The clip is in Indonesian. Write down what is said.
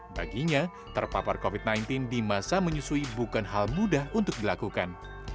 baginya terpapar covid sembilan belas di masa menyusui bukan hal mudah untuk dilakukan